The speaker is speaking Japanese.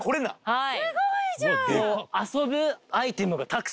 はい。